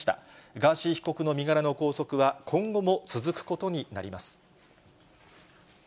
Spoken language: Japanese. ガーシー被告の身柄の拘束は今後も続くことになります。